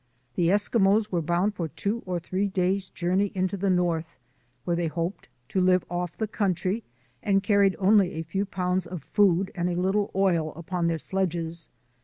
The Eskimos were bound for two or three days' journey into the North, where they hoped to live off the country, and carried only a few pounds of food and a little oil upon their sledges.